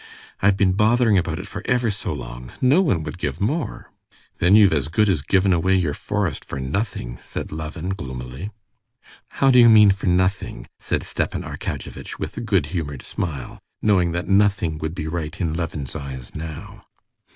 I've been bothering about it for ever so long. No one would give more." "Then you've as good as given away your forest for nothing," said Levin gloomily. "How do you mean for nothing?" said Stepan Arkadyevitch with a good humored smile, knowing that nothing would be right in Levin's eyes now.